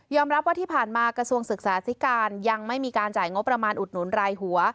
รับว่าที่ผ่านมากระทรวงศึกษาธิการยังไม่มีการจ่ายงบประมาณอุดหนุนรายหัว